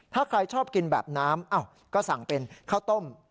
ถ้าใครชอบกินแบบน้ำก็สั่งเป็นข้าวต้ม